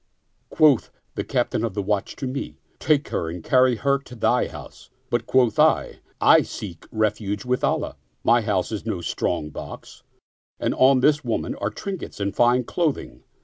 Quoth the Captain of the watch to me, " Take her and carry her to thy house "; but quoth I, " I seek refuge with Allah ! My house is no strong box and on this woman are trinkets and fine clothing.